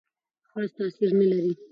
خاص تاثیر نه لري.